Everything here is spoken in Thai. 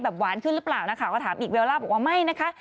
หวานขึ้นหรือเปล่านะคะก็ถามอีกเบลล่าบอกว่าไม่นะคะ